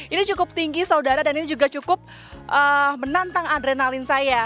ini cukup tinggi saudara dan ini juga cukup menantang adrenalin saya